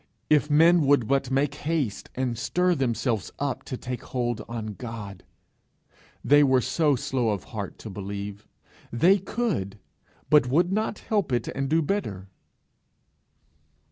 If men would but make haste, and stir themselves up to take hold on God! They were so slow of heart to believe! They could but would not help it and do better!